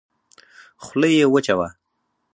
خوله يې وچه وه.